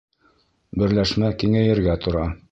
Берләшмә киңәйергә тора